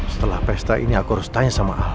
setelah pesta ini aku harus tanya sama ah